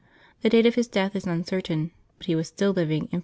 The date of his death is uncertain, but he was still living in 463.